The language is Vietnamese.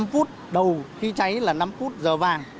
năm phút đầu khi cháy là năm phút giờ vàng